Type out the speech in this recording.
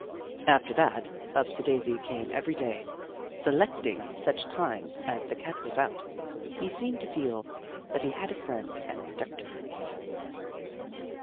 After that, Upsi daisi came every day, selecting such times as the Cat was out. He seemed to feel that he had a friend and protector in me.